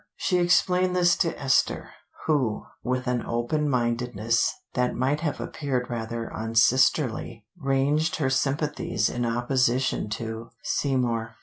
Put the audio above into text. She explained this to Esther, who, with an open mindedness that might have appeared rather unsisterly, ranged her sympathies in opposition to Seymour.